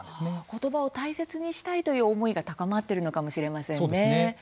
言葉を大切にしたいという思いが高まっているのかもしれませんね。